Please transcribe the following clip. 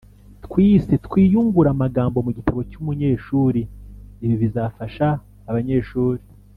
twise “Twiyungure amagambo” mu gitabo cy’umunyeshuri. Ibi bizafasha abanyeshuri